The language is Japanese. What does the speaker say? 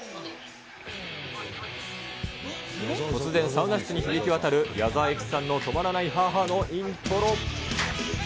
突然サウナ室に響き渡る矢沢永吉さんの止まらないハーハーのイントロ。